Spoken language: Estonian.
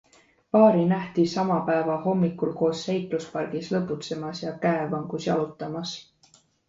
Paari nähti sama päeva hommikul koos seikluspargis lõbutsemas ja käevangus jalutamas.